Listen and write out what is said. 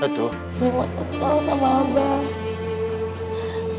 neng aku kesal sama abah